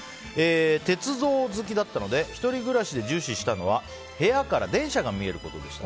鉄道好きだったので１人暮らしで重視したのは部屋から電車が見えることでした。